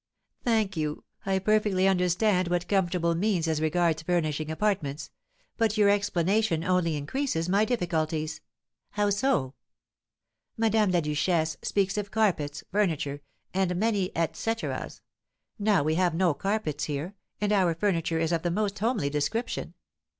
"Thank you. I perfectly understand what comfortable means as regards furnishing apartments; but your explanation only increases my difficulties." "How so?" "Madame la Duchesse speaks of carpets, furniture, and many et coeteras; now we have no carpets here, and our furniture is of the most homely description.